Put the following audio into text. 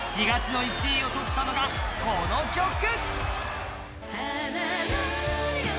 ４月の１位を取ったのがこの曲。